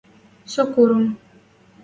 со курым